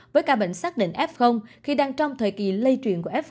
với ca bệnh xác định f khi đang trong thời kỳ lây truyền của f một